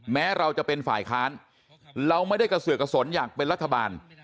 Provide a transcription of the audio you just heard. แม้เราจะเป็นฝ่ายค้านเราไม่ได้กระเสือกกระสนอยากเป็นรัฐบาล